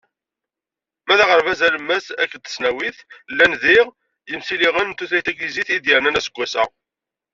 Ma d aɣerbaz alemmas akked tesnawit, llan diɣ yimsilɣen n tutlayt taglizit, i d-yernan aseggas-a.